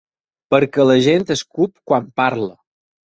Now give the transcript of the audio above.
Perquè la gent escup quan parla.